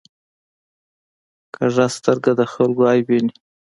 کوږه سترګه د خلکو عیب ویني